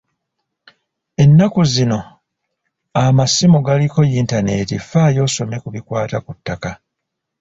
Ennaku zino amasimu galiko yintaneeti, Faayo osome ku bikwata ku ttaka.